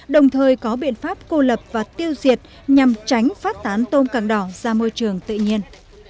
đồng thời có biện pháp cô lập và tiêu diệt nhằm tránh phát tán tôm càng đỏ ra môi trường tự nhiên